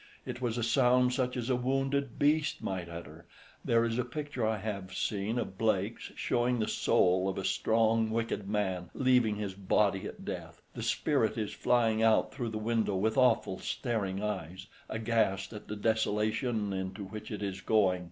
It was a sound such as a wounded beast might utter. There is a picture I have seen of Blake's, showing the soul of a strong wicked man leaving his body at death. The spirit is flying out through the window with awful staring eyes, aghast at the desolation into which it is going.